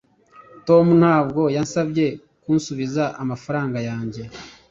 tom ntabwo yansabye kunsubiza amafaranga yanjye